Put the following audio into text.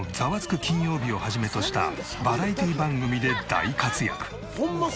金曜日』を始めとしたバラエティー番組で大活躍！